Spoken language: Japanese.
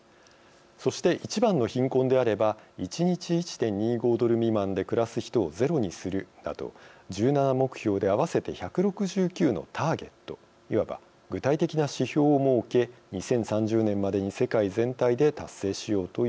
そして１番の「貧困」であれば１日１．２５ドル未満で暮らす人をゼロにするなど１７目標で合わせて１６９のターゲットいわば具体的な指標を設け２０３０年までに世界全体で達成しようというものです。